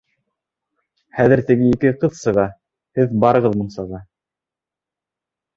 Хәҙер теге ике ҡыҙ сыға, һеҙ барығыҙ мунсаға.